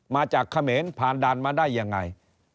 มาจากเขมรผ่านด่านมาได้ยังไง